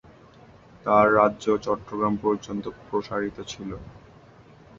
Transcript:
তার রাজ্য চট্টগ্রাম পর্যন্ত প্রসারিত ছিল।